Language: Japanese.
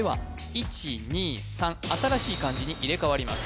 １２３新しい漢字に入れ替わります